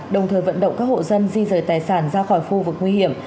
đồng thời vận động các hộ dân di rời tài sản ra khỏi khu vực nguy hiểm